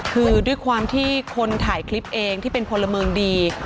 คือด้วยความที่คนถ่ายคลิปเองที่เป็นพลเมืองดี